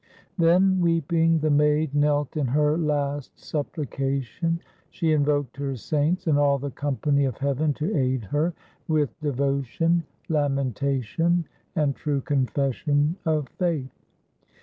Then, weeping, the Maid knelt in her last supplication. She invoked her saints and all the company of heaven to aid her, "with devotion, lamentation, and true confession of faith."